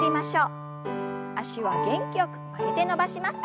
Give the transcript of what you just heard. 脚は元気よく曲げて伸ばします。